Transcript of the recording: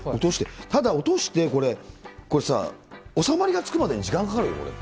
ただ落として、収まりがつくまでに時間がかかるよ。